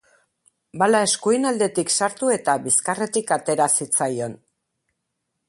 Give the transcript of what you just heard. Bala eskuin aldetik sartu eta bizkarretik atera zitzaion.